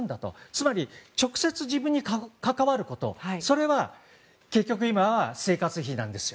つまり直接、自分に関わることそれは、結局今は生活費なんです。